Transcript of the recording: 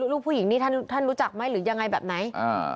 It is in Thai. ลูกผู้หญิงนี่ท่านรู้จักไหมหรือยังไงแบบไหน